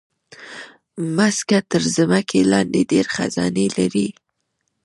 مځکه تر ځمکې لاندې ډېر خزانے لري.